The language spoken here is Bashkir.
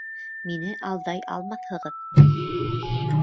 Мине алдай алмаҫһығыҙ!